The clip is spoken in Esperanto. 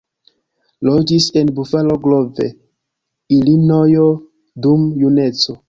Loĝis en Buffalo Grove, Ilinojo dum juneco.